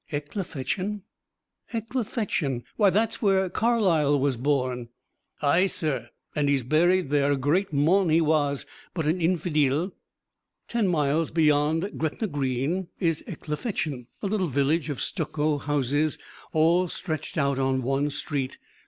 "Ecclefechan! Ecclefechan! Why that's where Carlyle was born!" "Aye, sir, and he's buried there; a great mon he was but an infideel." Ten miles beyond Gretna Green is Ecclefechan a little village of stucco houses all stretched out on one street.